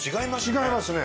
違いますね。